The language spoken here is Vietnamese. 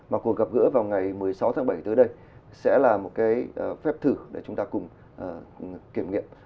mà cuộc gặp gỡ vào ngày một mươi sáu tháng bảy tới đây sẽ là một cái phép thử để chúng ta cùng kiểm nghiệm